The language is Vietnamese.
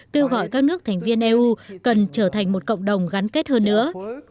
kêu gọi các nước thành viên eu cần trở thành một cộng đồng gắn kết hơn nữa